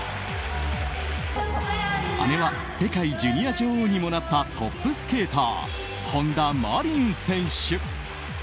姉は世界ジュニア女王にもなったトップスケーター本田真凜選手。